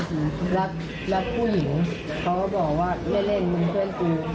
ครับแล้วผู้หญิงเขาก็บอกว่าไม่เล่นมันเพื่อนกู